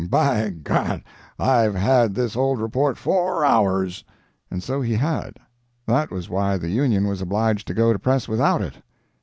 By G—, I've had this old report four hours!" And so he had. That was why the Union was obliged to go to press without it.